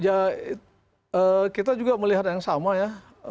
ya kita juga melihat yang sama ya